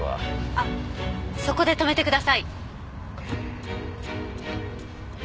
あっそこで止めてください。